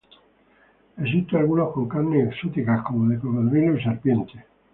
Existen algunos con carnes exóticas, como de cocodrilo y serpiente.